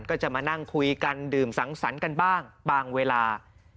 ก็จะมานั่งคุยกันดื่มสังสรรค์กันบ้างบางเวลา